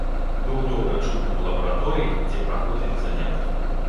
Быў добра чутны ў лабараторыі, дзе праходзілі заняткі.